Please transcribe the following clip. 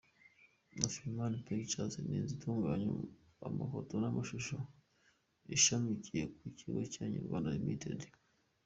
Afrifame Pictures ni inzu itunganya amafoto n’amashusho ishamikiye ku kigo cya Inyarwanda Ltd.